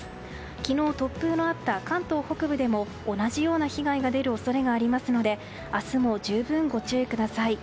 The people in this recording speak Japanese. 昨日、突風のあった関東北部でも同じような被害が出る恐れがありますので明日も十分ご注意ください。